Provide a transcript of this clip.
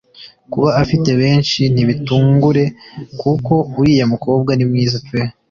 kuba afite benshi ntibigutungure kuko uriya mukobwa nimwiza pe